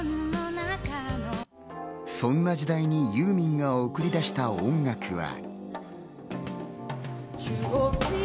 そんな時代にユーミンが送り出した音楽は。